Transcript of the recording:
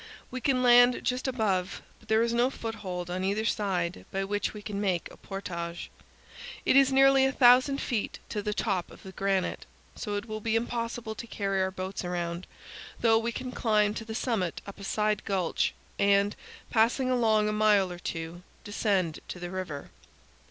We can land just above, but there is no foothold on either side by which we can make a portage. It is nearly a thousand feet to the top of the granite; TO THE FOOT OF THE GRAND CANYON. 251 so it will be impossible to carry our boats around, though we can climb to the summit up a side gulch and, passing along a mile or two, descend to the river.